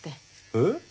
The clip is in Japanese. えっ？